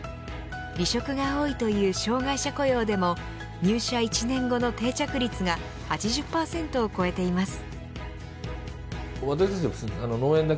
離職が多いという障がい者雇用でも入社１年後の定着率が８０％を超えています。